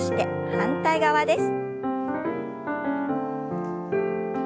反対側です。